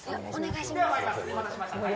お願いします。